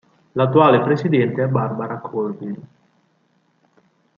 L'attuale presidente è Barbara Colville.